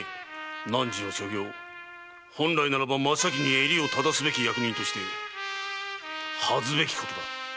汝の所業本来ならばまっ先に襟を正すべき役人として恥ずべきことだ。